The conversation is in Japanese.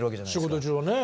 仕事中はね。